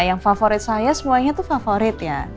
yang favorit saya semuanya tuh favorit ya